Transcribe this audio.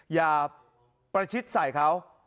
อย่าประชิดใส่เขา